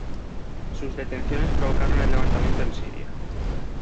Sus detenciones provocaron el levantamiento en Siria.